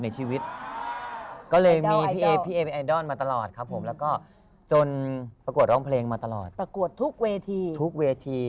ชนะมั้ยลูกชนะมั้ย